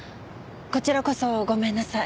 こちらこそごめんなさい。